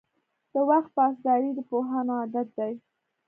• د وخت پاسداري د پوهانو عادت دی.